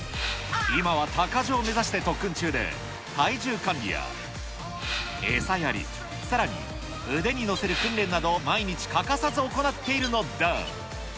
今はたか匠目指して特訓中で、体重管理や、餌やり、さらに腕にのせる訓練などを毎日欠かさず行っているのだ。